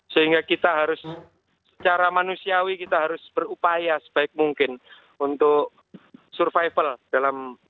sehingga kita harus secara manusiawi kita harus berupaya sebaik mungkin untuk survival dalam